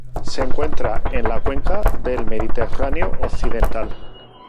Se encuentra en la cuenca del Mediterráneo occidental.